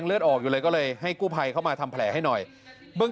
เดี๋ยวว่าผมขับมาผมจะไปทรง